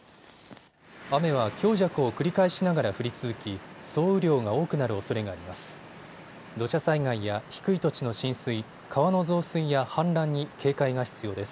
雨は強弱を繰り返しながら降り続き、総雨量が多くなるおそれがあります。